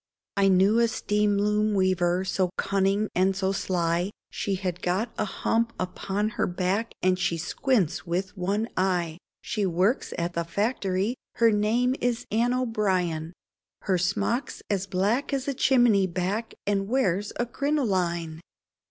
I knew a steam loom weaver so cunning and so sly, She had got a hump upon her back, and she squints with one eye, She works at factory, her name is Anne O'Brian, Her smock's as black as a chimney back and wears a crinoline.